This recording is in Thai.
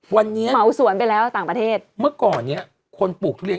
วันนี้เหมาสวนไปแล้วต่างประเทศเมื่อก่อนเนี้ยคนปลูกทุเรียน